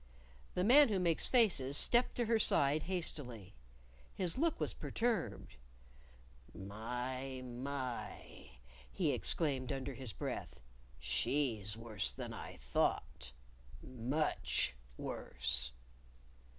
The Man Who Makes Faces stepped to her side hastily. His look was perturbed. "My! My!" he exclaimed under his breath. "She's worse than I thought! much worse."